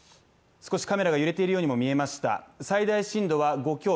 少しカメラが揺れているようにも見えました。